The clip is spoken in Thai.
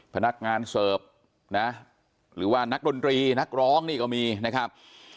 พนักงานเสิร์ฟนะหรือว่านักดนตรีนักร้องนี่ก็มีนะครับ